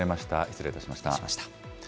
失礼いたしました。